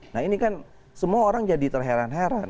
nah ini kan semua orang jadi terheran heran